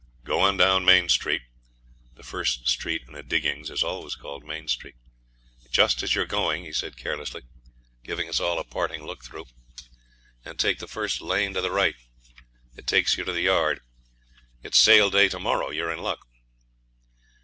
'Go on down Main Street [the first street in a diggings is always called Main Street] as you're going,' he said carelessly, giving us all a parting look through, 'and take the first lane to the right. It takes you to the yard. It's sale day to morrow; you're in luck.'